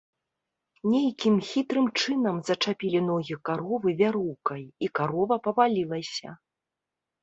Нейкім хітрым чынам зачапілі ногі каровы вяроўкай і карова павалілася.